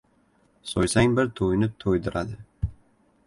So‘ysang bir to‘yni to‘ydiradi!